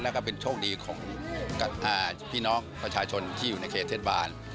แล้วก็เป็นโชคดีของพี่น้องประชาชนที่อยู่ในเขตเทศบาล